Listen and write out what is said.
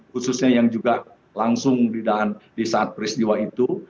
khususnya yang juga langsung di saat peristiwa itu